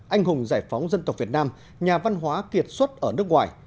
anh hùng giải phóng dân tộc việt nam nhà văn hóa kiệt xuất ở nước ngoài